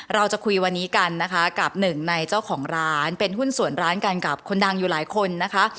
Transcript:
เราจะคุยวันนี้กันนะคะกับหนึ่งในเจ้าของร้านเป็นหุ้นส่วนร้านกันกับคนดังอยู่หลายคนนะคะ